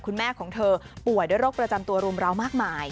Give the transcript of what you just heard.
คุณแม่ของเธอป่วยด้วยโรคประจำตัวรุมราวมากมาย